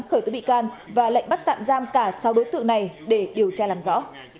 khởi tố bị can và lệnh bắt tạm giam cả sáu đối tượng này để điều tra làm rõ